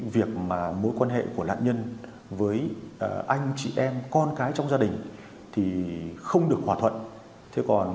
việc mối quan hệ của nạn nhân với anh chị em con cái trong gia đình thì không được hòa thuận